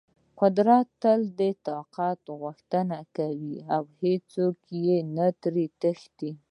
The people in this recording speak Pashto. قدرت تل د اطاعت غوښتنه کوي او هېڅوک ترې نه تښتي.